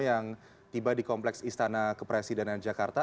yang tiba di kompleks istana kepresidenan jakarta